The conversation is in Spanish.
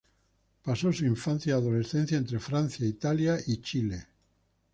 Pasó su infancia y adolescencia entre Francia, Italia y Chile.